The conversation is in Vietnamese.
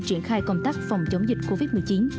triển khai công tác phòng chống dịch covid một mươi chín